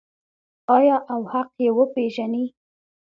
آیا او حق یې وپیژني؟